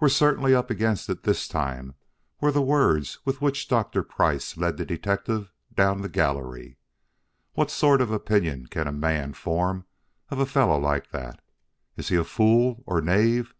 "We're certainly up against it this time," were the words with which Dr. Price led the detective down the gallery. "What sort of an opinion can a man form of a fellow like that? Is he fool or knave?"